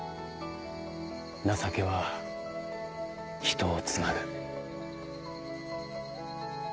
情けは人を繋ぐ。